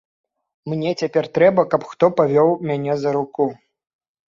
Мне цяпер трэба, каб хто павёў мяне за руку.